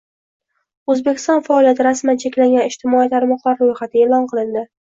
O‘zbekistonda faoliyati rasman cheklangan ijtimoiy tarmoqlar ro‘yxati e’lon qilindi